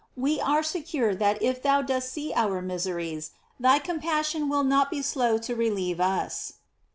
We are secure that if thou dost see our miseries, thy compas sion will not be slow to relieve us.